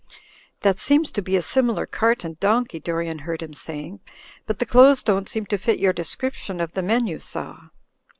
"That seems to be a similar cart and donkey," Dor ian heard him saying, "but the clothes don't seem to fit your description of the men you saw."